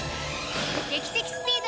劇的スピード！